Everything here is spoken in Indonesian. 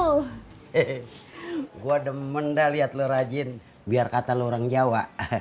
he he gua demen dah liat lu rajin biar kata lu orang jawa